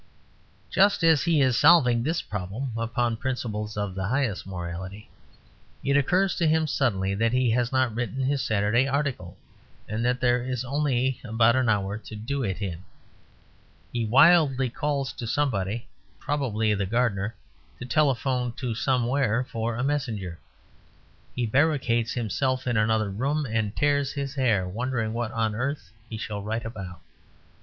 Just as he is solving this problem upon principles of the highest morality, it occurs to him suddenly that he has not written his Saturday article; and that there is only about an hour to do it in. He wildly calls to somebody (probably the gardener) to telephone to somewhere for a messenger; he barricades himself in another room and tears his hair, wondering what on earth he shall write about.